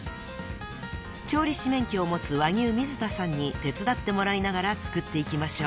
［調理師免許を持つ和牛水田さんに手伝ってもらいながら作っていきましょう］